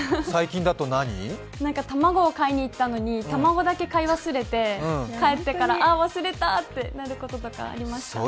最近だと卵を買いにいったのに卵だけ買い忘れて帰ってから、あ、忘れた！とかなることとかあります。